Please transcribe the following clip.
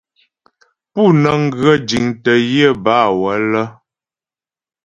Pú nə́ŋ ghə jiŋtə́ yə bâ wələ.